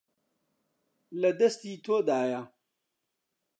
لە دەستی تۆدایە.